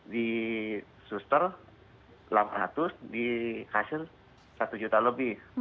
di suter rp delapan ratus di kasir rp satu juta lebih